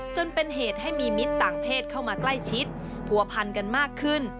จนเป็นเหตุให้มีมิตรต่างเพศเข้ามาใกล้ชิดผัวพันกันมากขึ้น